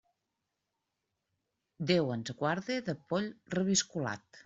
Déu ens guarde de poll reviscolat.